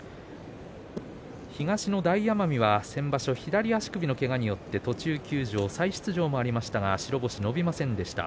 東の大奄美は先場所左足首のけがによって途中休場し再出場はありましたが白星は伸びませんでした。